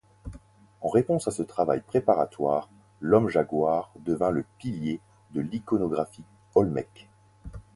En réponse à ce travail préparatoire, l’homme-jaguar devint le pilier de l’iconographie olmèque.